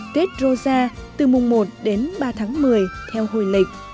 tết rô gia từ mùng một đến ba tháng một mươi theo hồi lịch